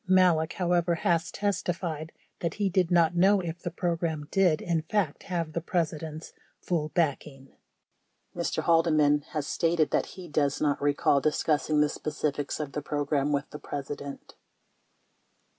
Malek, however, has testified that he did not know if the program did, in fact, have the President's "full back ing." 24 Mr. Haldeman has stated that he does not recall discussing the specifics of the program with the President.